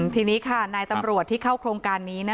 ทีนี้ค่ะนายตำรวจที่เข้าโครงการนี้